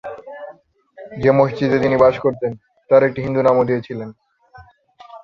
যে মসজিদে তিনি বাস করতেন, তার একটি হিন্দু নামও দিয়েছিলেন।